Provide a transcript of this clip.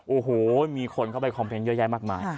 โอ้โหมีคนเข้าไปคอมเมนต์เยอะแยะมากมาย